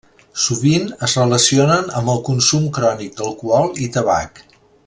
Sovint es relacionen amb el consum crònic d'alcohol i tabac.